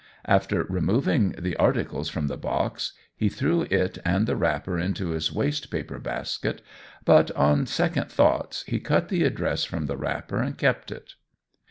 After removing the articles from the box, he threw it and the wrapper into his wastepaper basket, but on second thoughts he cut the address from the wrapper and kept it.